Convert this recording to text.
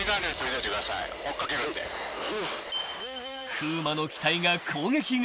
［風磨の機体が攻撃側］